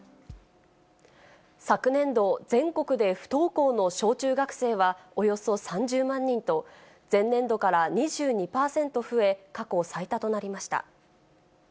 昨年度、全国で不登校の小中学生はおよそ３０万人と、前年度から２２％増え、過去最多となりました。